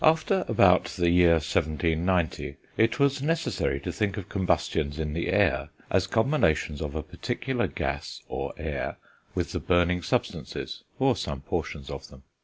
After about the year 1790, it was necessary to think of combustions in the air as combinations of a particular gas, or air, with the burning substances, or some portions of them.